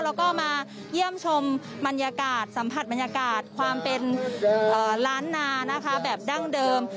แล้วก็มาเยี่ยมชมบรรยากาศสัมผัสบรรยากาศความเป็นล้านนานะคะแบบดั้งเดิม